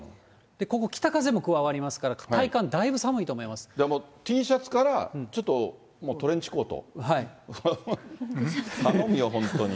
ここ、北風も加わりますから、体感、だいぶ寒いと思いまもうＴシャツから、ちょっともうトレンチコート。